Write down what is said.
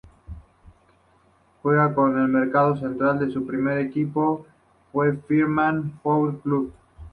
Juega como marcador central y su primer equipo fue Firmat Football Club.